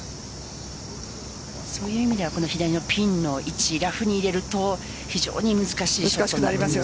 そういう意味では左のピンの位置ラフに入れると非常に難しくなります。